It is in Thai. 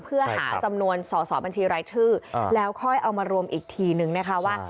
เพื่อหาจำนวนสสบรชแล้วค่อยเอามารวมอีกทีนึงนะครับว่า